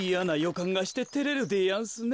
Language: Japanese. かんがしててれるでやんすねえ。